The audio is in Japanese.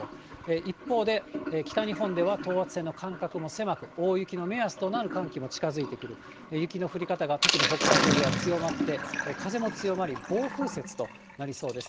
一方で、北日本では等圧線の間隔も狭く、大雪の目安となる寒気も近づいてくる、雪の降り方が特に北海道では強まって、風も強まり、暴風雪となりそうです。